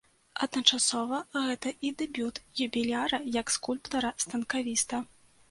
Адначасова гэта і дэбют юбіляра як скульптара-станкавіста.